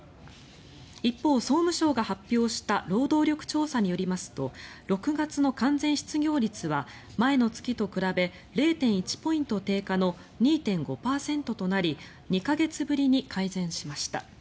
一方、総務省が発表した労働力調査によりますと６月の完全失業率は前の月と比べ０．１ポイント低下の２．５％となり２か月ぶりに改善しました。